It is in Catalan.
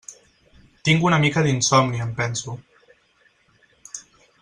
Tinc una mica d'insomni, em penso.